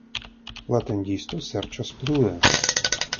La tendisto serĉas plue.